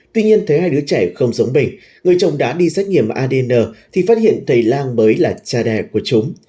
tuy nhiên thấy hai đứa trẻ không giống bình người chồng đã đi xét nghiệm adn thì phát hiện thầy lang mới là cha đẻ của chúng